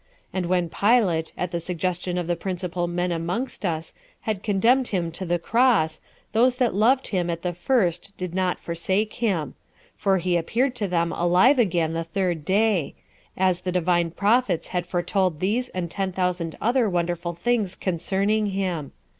And when Pilate, at the suggestion of the principal men amongst us, had condemned him to the cross, 9 those that loved him at the first did not forsake him; for he appeared to them alive again the third day; 10 as the divine prophets had foretold these and ten thousand other wonderful things concerning him.